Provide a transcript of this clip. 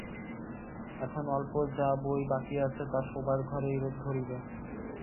এখন অল্প যা বই বাকি আছে তা শোবার ঘরেই ধরিবে।